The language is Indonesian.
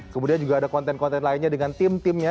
kemudian juga ada konten konten lainnya dengan tim timnya